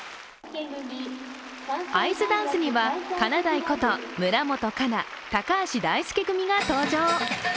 アイスダンスには、かなだいこと村元哉中・高橋大輔組が登場。